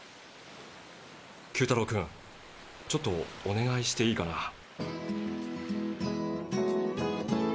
九太郎君ちょっとお願いしていいかな？